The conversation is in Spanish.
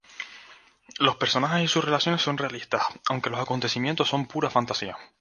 Los personajes y sus relaciones son realistas, aunque los acontecimientos son pura fantasía.